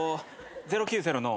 ０９０の。